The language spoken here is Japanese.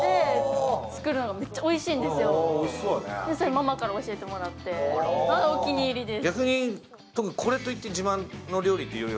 ママから教えてもらってお気に入りです。